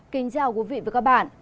kính chào quý vị và các bạn